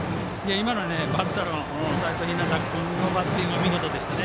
今のはバッターの齋藤陽君のバッティングが見事でした。